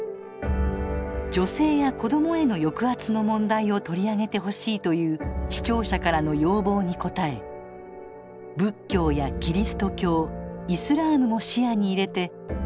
「女性や子どもへの抑圧の問題を取り上げてほしい」という視聴者からの要望に応え仏教やキリスト教イスラームも視野に入れて徹底討論します